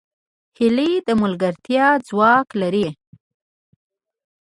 هیلۍ د ملګرتیا ځواک لري